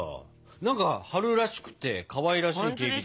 何か春らしくてかわいらしいケーキじゃないですか？